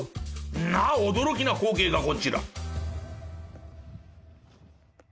な驚きな光景がこちら。